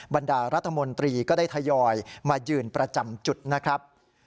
บรรดารัฐมนตรีก็ได้ทยอยมายืนประจำจุดนะครับ